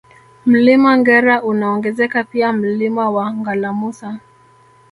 Mlima Ngera unaongezeka pia Mlima wa Ngalamusa